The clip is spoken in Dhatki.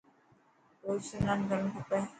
روز سنان ڪرڻ کپي.